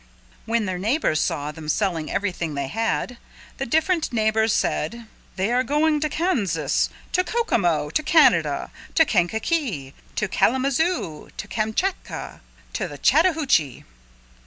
When their neighbors saw them selling everything they had, the different neighbors said, "They are going to Kansas, to Kokomo, to Canada, to Kankakee, to Kalamazoo, to Kamchatka, to the Chattahoochee."